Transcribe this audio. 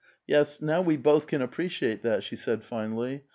" Yes, now we both can ap[)reciate that," she said finally.